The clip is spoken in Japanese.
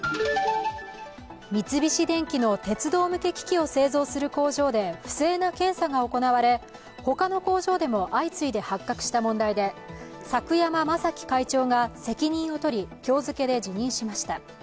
三菱電機の鉄道向け機器を製造する工場で不正な検査が行われ他の工場でも相次いで発覚した問題で柵山正樹会長が責任を取り、今日付けで辞任しました。